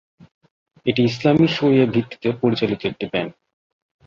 এটি ইসলামী শরীয়াহ ভিত্তিতে পরিচালিত একটি ব্যাংক।